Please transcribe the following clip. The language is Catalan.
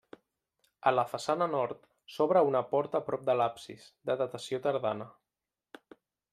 A la façana nord s'obre una porta prop de l'absis, de datació tardana.